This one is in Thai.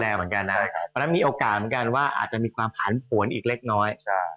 แล้วนั่งมีโอกาสที่มีความผ่านผลอีกเล็กน้อย